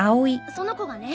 その子がね